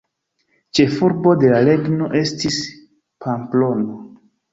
Ĉefurbo de la regno estis Pamplono.